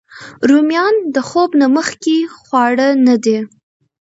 رومیان د خوب نه مخکې خواړه نه دي